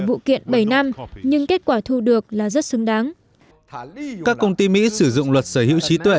vụ kiện bảy năm nhưng kết quả thu được là rất xứng đáng các công ty mỹ sử dụng luật sở hữu trí tuệ